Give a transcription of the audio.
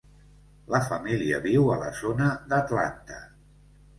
La família viu a la zona d'Atlanta.